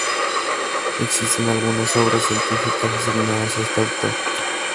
Existen algunas obras científicas asignadas a este autor.